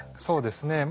そうですね。